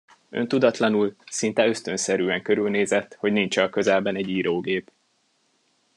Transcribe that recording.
Öntudatlanul, szinte ösztönszerűen körülnézett, hogy nincs-e a közelben egy írógép.